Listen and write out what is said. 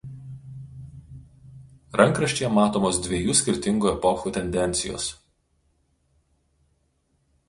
Rankraštyje matomos dviejų skirtingų epochų tendencijos.